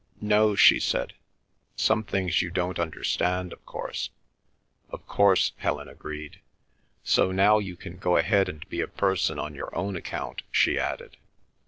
"No," she said. "Some things you don't understand, of course." "Of course," Helen agreed. "So now you can go ahead and be a person on your own account," she added.